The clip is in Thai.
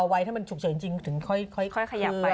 ถ้าท่านมันชุกเฉยจริงถึงค่อยขยับไป